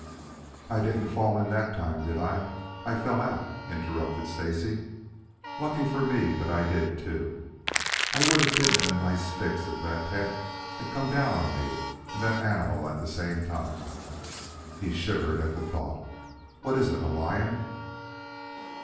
"I didn't fall in that time, did I? I fell out," interrupted Stacy. "Lucky for me that I did, too. I would have been in a nice fix if that tent had come down on me and that animal at the same time." He shivered at the thought. "What is it, a lion?"